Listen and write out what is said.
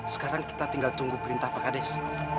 sekarang kita tinggal tunggu perintah pak kades